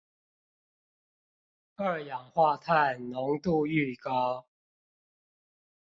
二氧化碳濃度愈高